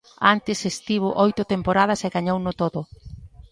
Antes estivo oito temporadas e gañouno todo.